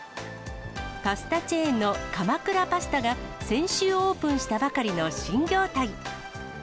パスタチェーンの鎌倉パスタが先週オープンしたばかりの新業態。